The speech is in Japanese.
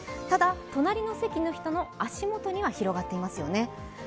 ただ、隣の席の人の足もとには広がっていますよね。